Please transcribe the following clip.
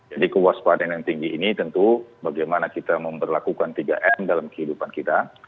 jadi kewaspadaan yang tinggi ini tentu bagaimana kita memperlakukan tiga m dalam kehidupan kita